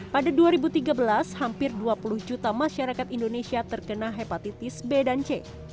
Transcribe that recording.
pada dua ribu tiga belas hampir dua puluh juta masyarakat indonesia terkena hepatitis b dan c